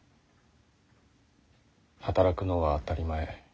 働くのは当たり前。